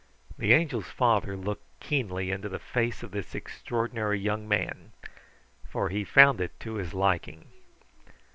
The Angel's father looked keenly into the face of this extraordinary young man, for he found it to his liking.